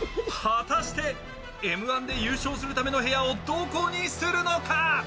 果たして、Ｍ−１で優勝するための部屋をどこにするのか？